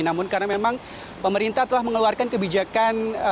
namun karena memang pemerintah telah mengeluarkan kebijakan